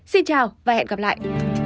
xin chào và hẹn gặp lại